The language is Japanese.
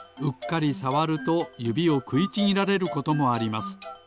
うっかりさわるとゆびをくいちぎられることもあります。